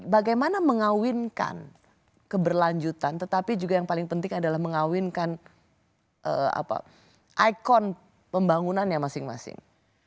bagaimana mengawinkan keberlanjutan tetapi juga yang paling penting adalah mengawinkan ikon pembangunannya masing masing